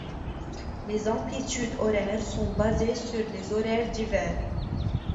Les amplitudes horaires sont basées sur les horaires d’hiver.